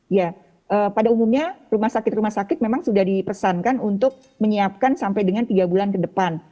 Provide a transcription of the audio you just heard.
ya pada umumnya rumah sakit rumah sakit memang sudah dipesankan untuk menyiapkan sampai dengan tiga bulan ke depan